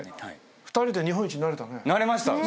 ２人で日本一になれたね。